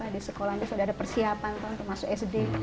di sekolah ini sudah ada persiapan untuk masuk sd